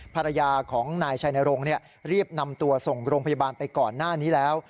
ภรรยาของนายชัยนรงค์รีบนำตัวส่งโรงพยาบาลไปก่อนหน้านี้แล้ว